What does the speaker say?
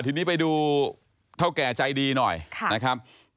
ทีนี้ไปดูเท่าแก่ใจดีหน่อยนะครับ